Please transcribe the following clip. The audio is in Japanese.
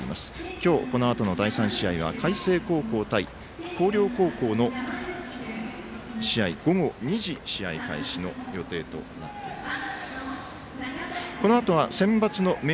今日、このあとの第３試合は海星高校対広陵高校の試合午後２時試合開始の予定となっています。